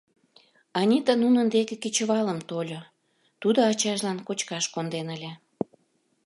Анита нунын деке кечывалым тольо, тудо ачажлан кочкаш конден ыле.